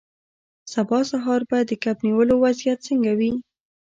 سبا سهار به د کب نیولو وضعیت څنګه وي